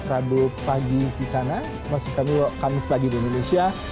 rabu pagi di sana maksud kami kamis pagi di indonesia